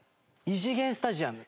「異次元スタジアム」！